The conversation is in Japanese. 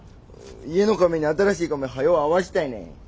家のカメに新しいカメはよう会わしたいねん。